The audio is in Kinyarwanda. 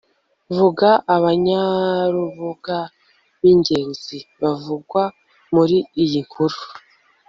vuga abanyarubuga b'ingenzi bavugwa muri iyi nkuru